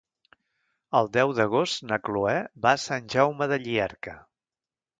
El deu d'agost na Cloè va a Sant Jaume de Llierca.